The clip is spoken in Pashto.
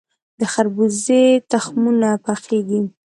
د خربوزې تخمونه پخیږي.